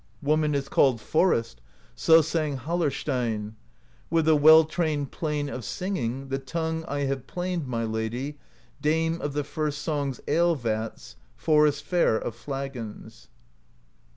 178 PROSE EDDA Woman is called Forest; so sang Hallarsteinn : With the well trained Plane of Singing, The tongue, I have planed, my Lady, Dame of the First Song's ale vats, Forest fair of Flagons.